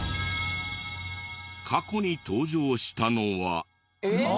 過去に登場したのは。